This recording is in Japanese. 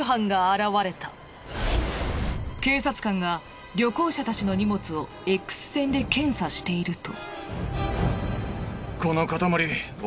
警察官が旅行者たちの荷物をＸ線で検査していると。